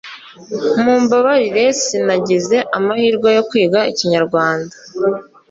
mumbabarire sinagize amahirwe yo kwiga ikinyarwanda